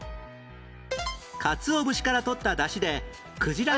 かつお節から取っただしでクジラ